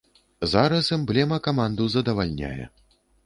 Зараз эмблема каманду задавальняе.